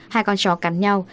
hai con chó cắn nhau